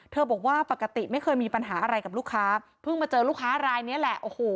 เธอบอกว่าปกติไม่เคยมีปัญหาอะไรกับลูกค้า